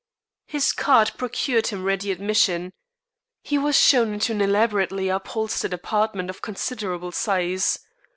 His card procured him ready admission. He was shown into an elaborately upholstered apartment of considerable size.